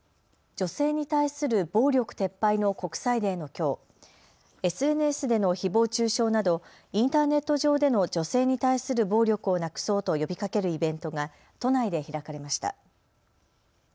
女性に対する暴力撤廃の国際デーのきょう、ＳＮＳでのひぼう中傷などインターネット上での女性に対する暴力をなくそうと呼びかけるイベントが都内で開かれました。